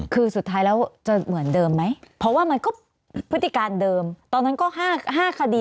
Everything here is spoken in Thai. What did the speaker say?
คือสุดท้ายแล้วจะเหมือนเดิมไหมเพราะว่ามันก็พฤติการเดิมตอนนั้นก็๕คดี